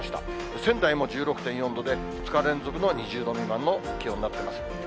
仙台も１６．４度で、２日連続の２０度未満の気温になっています。